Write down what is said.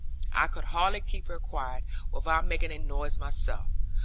I could hardly keep her quiet, without making a noise myself.